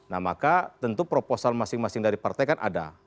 nah maka tentu proposal masing masing dari partai kan ada